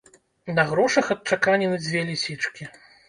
На грошах адчаканены дзве лісічкі.